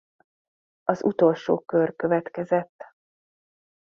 Az utolsó kör következett.